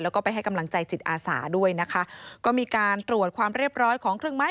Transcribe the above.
แล้วก็ไปให้กำลังใจจิตอาสาด้วยนะคะก็มีการตรวจความเรียบร้อยของเครื่องไม้